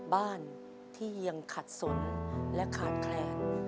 บ้านที่ยังขัดสนและขาดแคลน